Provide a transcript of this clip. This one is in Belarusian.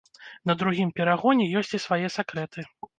На другім перагоне ёсць і свае сакрэты.